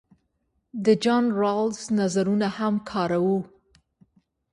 د جان رالز نظرونه هم کاروو.